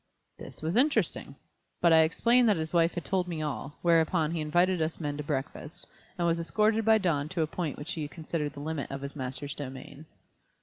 This was interesting. But I explained that his wife had told me all, whereupon he invited us men to breakfast, and was escorted by Don to a point which he considered the limit of his master's domain.